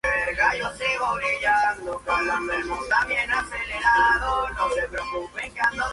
En posteriores aventuras, de vez en cuando trabaja como marinero en alta mar.